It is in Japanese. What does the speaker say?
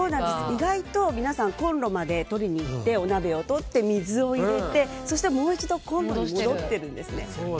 意外と皆さんコンロまで取りに行ってお鍋に水を入れてそして、もう一度コンロに戻ってるんですね。